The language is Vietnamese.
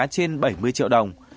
trên bảy mươi triệu đồng